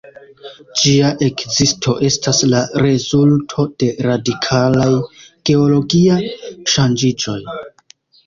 Ĝia ekzisto estas la rezulto de radikalaj geologiaj ŝanĝiĝoj.